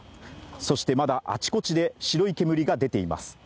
そしてまだあちこちで白い煙が出ています。